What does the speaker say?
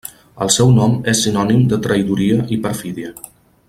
El seu nom és sinònim de traïdoria i perfídia.